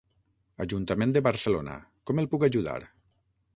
Ajuntament de Barcelona, com el puc ajudar?